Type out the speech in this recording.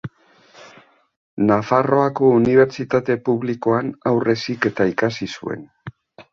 Nafarroako Unibertsitate Publikoan Haur Heziketa ikasi zuen.